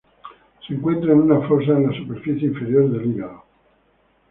Se encuentra en una fosa en la superficie inferior del hígado.